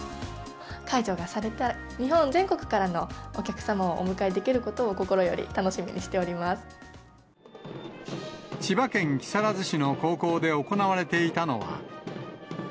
解除がされたら、日本全国からのお客様をお迎えできることを、心より楽しみにして千葉県木更津市の高校で行われていたのは。